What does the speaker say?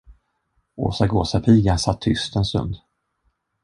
Åsa gåsapiga satt tyst en stund.